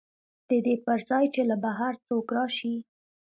د دې پر ځای چې له بهر څوک راشي